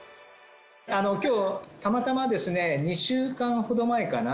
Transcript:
今日たまたまですね２週間ほど前かな？